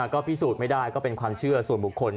ก็พิสูจน์ไม่ได้ก็เป็นความเชื่อส่วนบุคคล